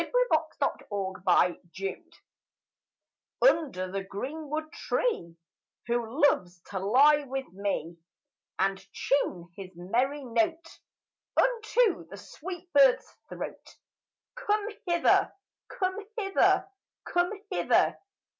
THE CALL OF THE WOODS Under the greenwood tree, Who loves to lie with me, And tune his merry note Unto the sweet bird's throat, Come hither, come hither, come hither!